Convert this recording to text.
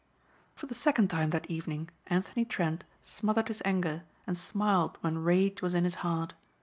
For the second time that evening Anthony Trent smothered his anger and smiled when rage was in his heart.